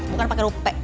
bukan pakai huruf p